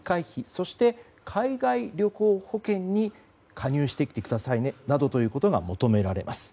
そして、海外旅行保険に加入してくださいねということが求められます。